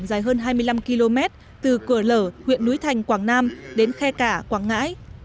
dài hơn hai mươi năm km từ cửa lở huyện núi thành quảng nam đến khe cả quảng ngãi